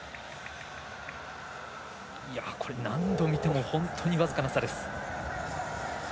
何度見ても、本当僅かな差です。